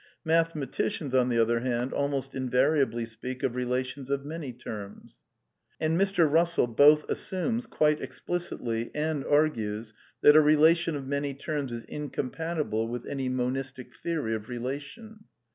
Mathematicians, on the other hand, almost invariably speak of relations of many terms" (Principia Mathematica, p. 212) ; and Mr. Eussell both assumes, quite explicitly, and argues that a relation of many tenns is incompatibl with any monistic theory of relation.